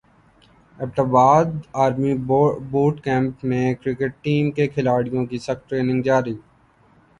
Abbott باد army boot camp میں cricket team کے کھلاڑیوں کی سخت ٹریننگ جاری